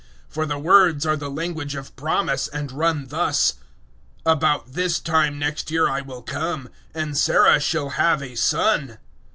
009:009 For the words are the language of promise and run thus, "About this time next year I will come, and Sarah shall have a son."